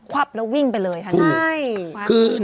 ขวับแล้ววิ่งไปเลยอีกทั้งคู่คือนาย